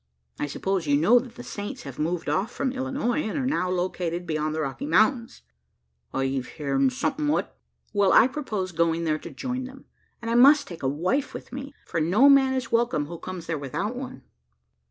I suppose you know that the saints have moved off from Illinois, and are now located beyond the Rocky Mountains?" "I've heern somethin' o't." "Well, I propose going thereto join them; and I must take a wife with me: for no man is welcome who comes there without one."